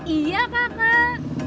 iya pak pak